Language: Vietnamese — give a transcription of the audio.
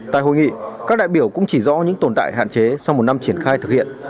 tại hội nghị các đại biểu cũng chỉ rõ những tồn tại hạn chế sau một năm triển khai thực hiện